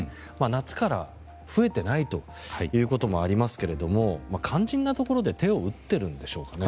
夏から増えていないということもありますが肝心なところで手を打っているんでしょうかね？